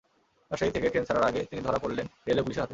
রাজশাহী থেকে ট্রেন ছাড়ার আগে তিনি ধরা পড়লেন রেলওয়ে পুলিশের হাতে।